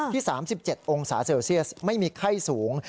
๓๗องศาเซลเซียสไม่มีไข้สูง